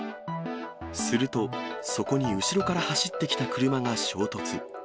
すると、そこに後ろから走ってきた車が衝突。